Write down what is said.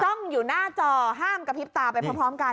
อยู่หน้าจอห้ามกระพริบตาไปพร้อมกัน